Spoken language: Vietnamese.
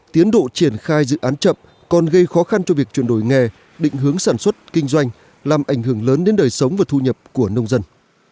tiến độ triển khai dự án chậm còn gây khó khăn cho việc chuyển đổi nghề định hướng sản xuất kinh doanh làm ảnh hưởng lớn đến đời sống và thu nhập của nông dân